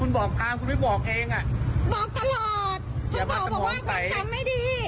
บอกตลอดเขาบอกว่าคำจำไม่ดี